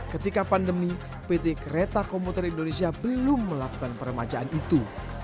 ketika pandemi pt kereta komuter indonesia belum melakukan peremajaan itu